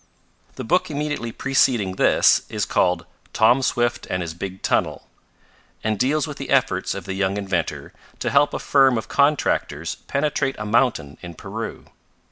The book immediately preceding this is called "Tom Swift and His Big Tunnel," and deals with the efforts of the young inventor to help a firm of contractors penetrate a mountain in Peru.